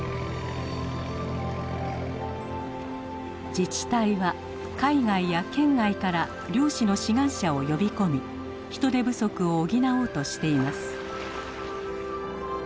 自治体は海外や県外から漁師の志願者を呼び込み人手不足を補おうとしています。